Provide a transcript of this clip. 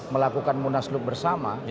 melakukan munasluk bersama